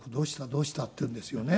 どうした？」って言うんですよね。